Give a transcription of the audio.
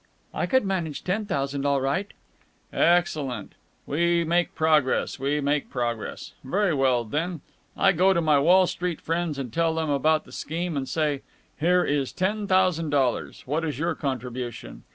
"I could manage ten thousand all right." "Excellent. We make progress, we make progress. Very well, then. I go to my Wall Street friends and tell them about the scheme, and say 'Here is ten thousand dollars! What is your contribution?'